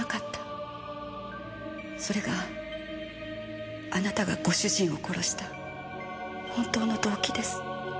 それがあなたがご主人を殺した本当の動機です。